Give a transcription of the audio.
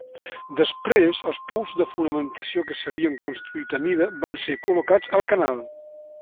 Després els pous de fonamentació que s'havien construït a mida van ser col·locats al canal.